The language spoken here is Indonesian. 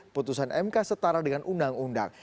putusan mk setara dengan undang undang